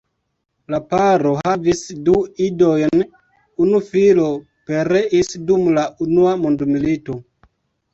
La paro havis du idojn; unu filo pereis dum la unua mondmilito.